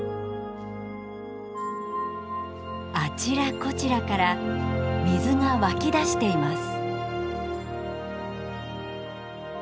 あちらこちらから水が湧き出しています。